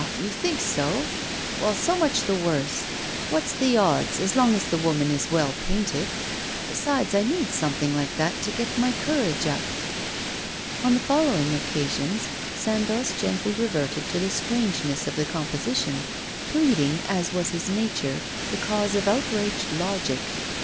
you think so? Well, so much the worse. What's the odds, as long as the woman is well painted? Besides, I need something like that to get my courage up.' On the following occasions, Sandoz gently reverted to the strangeness of the composition, pleading, as was his nature, the cause of outraged logic.